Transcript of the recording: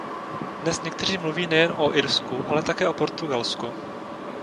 Dnes někteří mluví nejen o Irsku, ale také o Portugalsku.